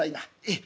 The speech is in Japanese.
ええ。